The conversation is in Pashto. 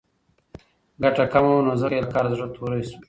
ګټه کمه وه نو ځکه یې له کاره زړه توری شو.